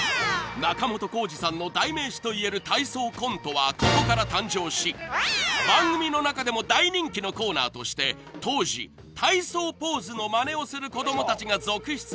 ［仲本工事さんの代名詞といえる体操コントはここから誕生し番組の中でも大人気のコーナーとして当時体操ポーズのまねをする子供たちが続出するほど一世を風靡しました］